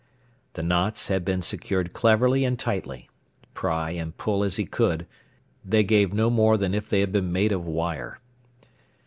The knots had been secured cleverly and tightly. Pry and pull as he could, they gave no more than if they had been made of wire.